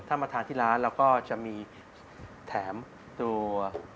ถ้ามาทานที่ร้านเราก็จะมีแถมตัว